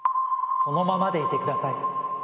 そのままでいてください。